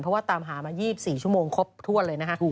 เพราะว่าตามหามา๒๔ชั่วโมงครบถ้วนเลยนะฮะ